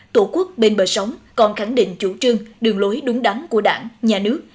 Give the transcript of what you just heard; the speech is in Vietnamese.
tổ quốc bên bờ sống còn khẳng định chủ trương đường lối đúng đắn của đảng nhà nước